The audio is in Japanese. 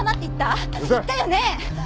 言ったよね。